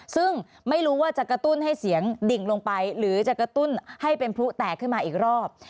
ซึ่งไม่รู้ว่าจะกระตุ้นให้เสียงดิ่งลงไปหรือจะกระตุ้นให้เป็นพลุแตกขึ้นมาอีกรอบ